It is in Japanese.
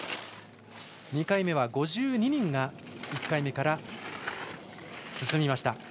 ２回目は５２人が１回目から進みました。